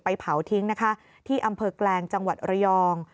เผาทิ้งนะคะที่อำเภอแกลงจังหวัดระยอง